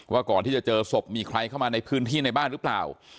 ว่าก่อนที่จะเจอศพมีใครเข้ามาในพื้นที่ในบ้านหรือเปล่า